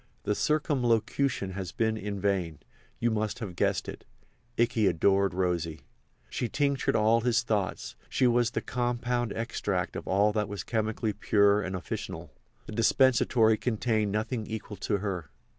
The circumlocution has been in vain—you must have guessed it—Ikey adored Rosy. She tinctured all his thoughts; she was the compound extract of all that was chemically pure and officinal—the dispensatory contained nothing equal to her.